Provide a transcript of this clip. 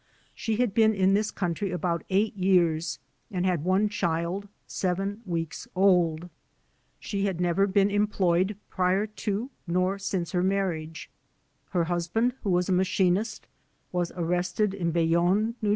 She had been in this country about eight years and had one child seven weeks old. She had never been employed prior to nor since her marriage. Her husband, who was a machinist, was arrested in Bayonne, N.